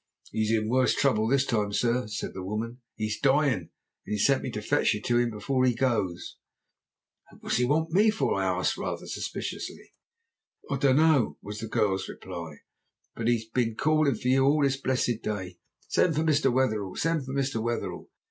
"'He's in a worse trouble this time, sir,' said the woman. 'He's dyin', and he sent me to fetch you to 'im before he goes.' "'But what does he want me for?' I asked rather suspiciously. "'I'm sure I dunno,' was the girl's reply. 'But he's been callin' for you all this blessed day: "Send for Mr. Wetherell! send for Mr. Wetherell!"